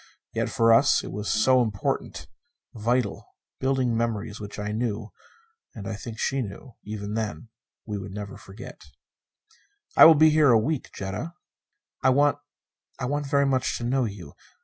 Yet for us, it was so important! Vital. Building memories which I knew and I think that she knew, even then we would never forget. "I will be here a week, Jetta." "I want I want very much to know you.